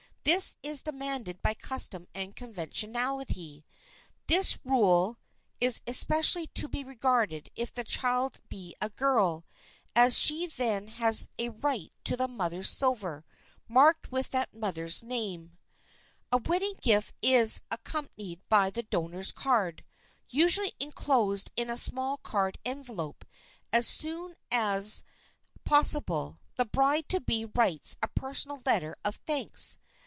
This is demanded by custom and conventionality. This rule is especially to be regarded if the child be a girl, as she then has a right to the mother's silver, marked with that mother's name. [Sidenote: ACKNOWLEDGING GIFTS] A wedding gift is accompanied by the donor's card,—usually enclosed in a small card envelope. As soon as possible, the bride to be writes a personal letter of thanks.